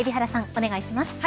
お願いします。